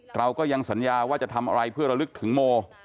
เราก็ยังสัญญาว่าจะทำอะไรเพื่อระลึกถึงโม